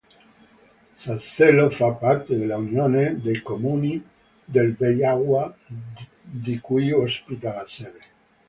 Sassello fa parte dell'Unione dei comuni del Beigua, di cui ospita la sede.